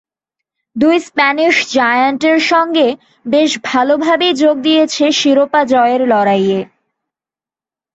দুই স্প্যানিশ জায়ান্টের সঙ্গে বেশ ভালোভাবেই যোগ দিয়েছে শিরোপা জয়ের লড়াইয়ে।